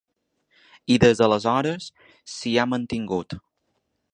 I des d’aleshores s’hi ha mantingut.